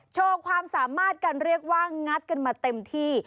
โชว์ความสามารถกันเรียกว่างัดกันมาเต็มที่